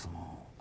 あ